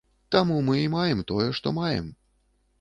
Таму мы і маем тое, што маем.